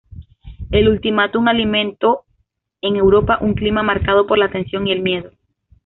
El ultimátum alimentó en Europa un clima marcado por la tensión y el miedo.